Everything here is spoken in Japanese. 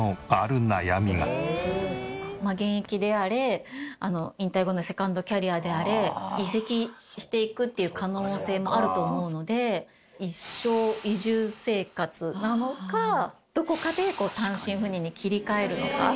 現役であれ引退後のセカンドキャリアであれ移籍していくっていう可能性もあると思うので一生移住生活なのかどこかで単身赴任に切り替えるのか。